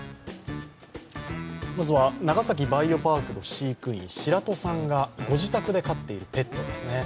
まずは、長崎バイオパークの飼育員、白戸さんがご自宅で飼っているペットですね